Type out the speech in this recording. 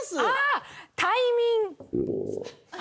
あぁタイミン。